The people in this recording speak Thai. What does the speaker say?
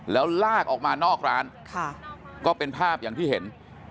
แล้วลากออกมานอกร้านก็เป็นภาพอย่างที่เห็น